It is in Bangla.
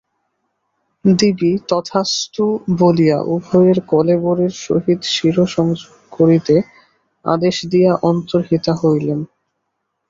দেবী তথাস্তু বলিয়া উভয়ের কলেবরের সহিত শিরঃসংযোগ করিতে আদেশ দিয়া অন্তর্হিতা হইলেন।